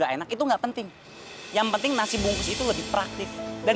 kalau enak itu nggak penting yang penting nasi bungkus itu lebih praktik dan